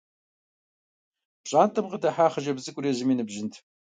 ПщIантIэм къыдыхьа хъыджэбз цIыкIур езым и ныбжьынт.